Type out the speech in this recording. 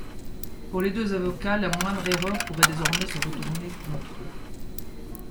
Pour les deux avocats, la moindre erreur pourrait désormais se retourner contre eux...